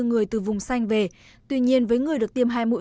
người từ vùng xanh về tuy nhiên với người được tiêm hai mũi